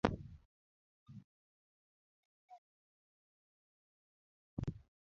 Omera ok anmbasni iwinjo